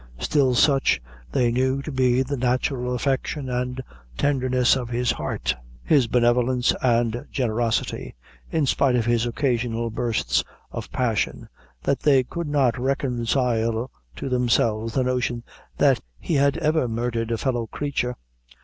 Still such they knew to be the natural affection and tenderness of his heart, his benevolence and generosity, in spite of his occasional bursts of passion, that they could not reconcile to themselves the notion that he had ever murdered a fellow creature.